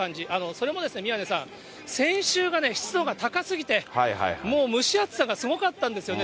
それも宮根さん、先週がね、湿度が高すぎて、もう蒸し暑さがすごかったんですよね。